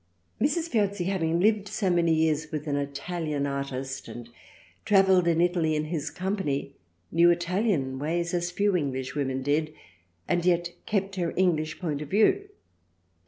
Mrs. Piozzi having lived so many years with an Italian Artist and travelled in Italy in his company knew Italian ways as few Englishwomen did, and yet kept her English point of view.